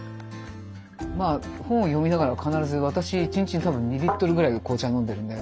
まあ本を読みながら必ず私１日に多分２リットルぐらい紅茶飲んでるんで。